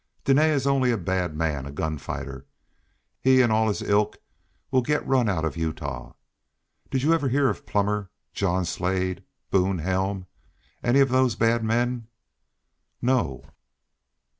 Dene is only a bad man, a gun fighter. He and all his ilk will get run out of Utah. Did you ever hear of Plummer, John Slade, Boone Helm, any of those bad men?" "No."